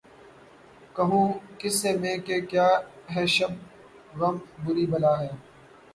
کہوں کس سے میں کہ کیا ہے شب غم بری بلا ہے